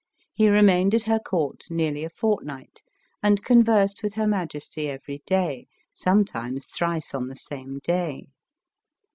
He remained at her court nearly a fortnight, and conversed with her majesty every day, sometimes thrice on the same day.